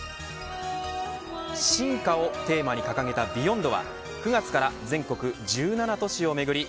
進化をテーマに掲げたＢＥＹＯＮＤは９月から全国１７都市を巡り